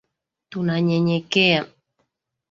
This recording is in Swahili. Tunanyenyekea.